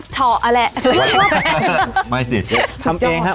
เชียบก้าวเลยครับ